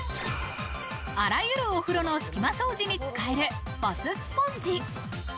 あらゆるお風呂の隙間掃除に使えるバススポンジ。